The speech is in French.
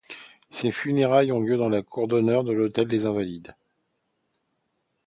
Ses funérailles ont lieu dans la cour d'honneur de l’hôtel des Invalides.